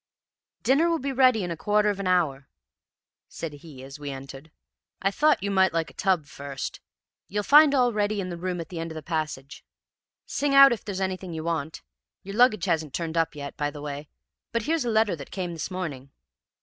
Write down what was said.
"'Dinner will be ready in a quarter of an hour,' said he as we entered. 'I thought you might like a tub first, and you'll find all ready in the room at the end of the passage. Sing out if there's anything you want. Your luggage hasn't turned up yet, by the way, but here's a letter that came this morning.'